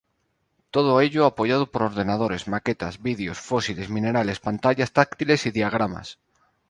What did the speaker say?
Todo ello apoyado por ordenadores, maquetas, vídeos, fósiles, minerales, pantallas táctiles y diagramas.